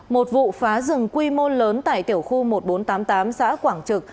một vụ phá rừng quy mô lớn tại tiểu khu một nghìn bốn trăm tám mươi tám xã quảng trực